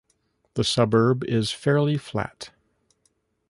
The suburb is fairly flat.